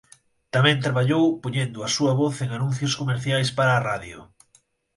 Tamén traballou poñendo a súa voz en anuncios comerciais para a radio.